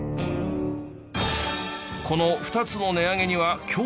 この２つの値上げには共通点が。